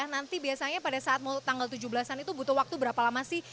nanti biasanya pada saat tanggal tujuh belas an itu butuh waktu berapa lama sih